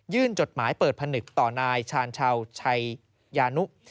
จดหมายเปิดผนึกต่อนายชาญชาวชัยยานุ